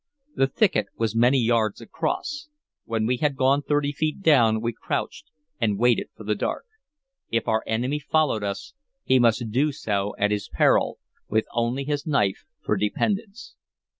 The thicket was many yards across. When we had gone thirty feet down we crouched and waited for the dark. If our enemy followed us, he must do so at his peril, with only his knife for dependence.